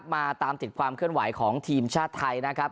มาตามติดความเคลื่อนไหวของทีมชาติไทยนะครับ